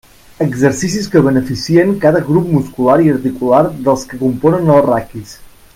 Exercicis que beneficien cada grup muscular i articular dels que componen el raquis.